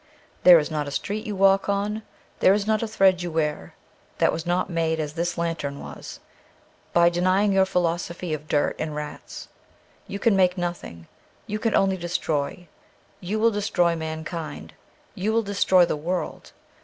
There is not a street you walk on, there is not a thread you wear, that was not made as this lantern was, by denying your philosophy of dirt and rats. You can make nothing. You can only destroy. You will destroy mankind ; you will destroy the world.